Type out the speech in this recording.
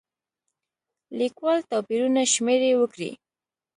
لیکوال توپیرونه شمېرې وکړي.